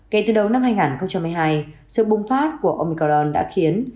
kể từ đầu năm hai nghìn một mươi hai sự bùng phát của omicron đã khiến